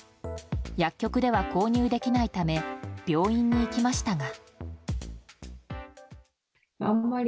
薬局では購入できないため病院に行きましたが。